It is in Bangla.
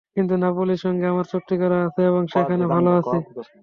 কিন্তু নাপোলির সঙ্গে আমার চুক্তি করা আছে এবং সেখানে ভালো আছি।